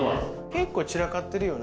結構散らかってるよね。